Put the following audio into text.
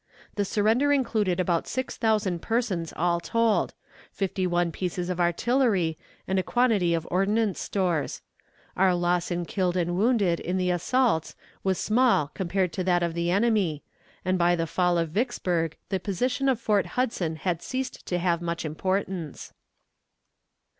The surrender included about six thousand persons all told, fifty one pieces of artillery, and a quantity of ordnance stores. Our loss in killed and wounded in the assaults was small compared to that of the enemy, and by the fall of Vicksburg the position of Port Hudson had ceased to have much importance.